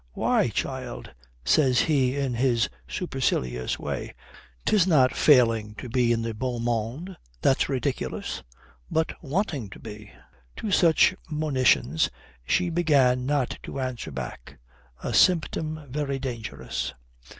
"Why, child," says he in his supercilious way, "'tis not failing to be in the beau monde that's ridiculous, but wanting to be." To such monitions she began not to answer back a symptom very dangerous.